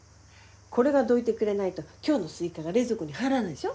これがどいてくれないと今日のスイカが冷蔵庫に入らないでしょ？